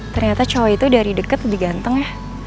ternyata cowok itu dari deket lebih ganteng ya